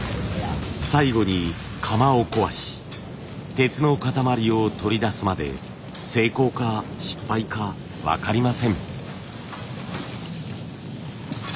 最後に窯を壊し鉄の塊を取り出すまで成功か失敗か分かりません。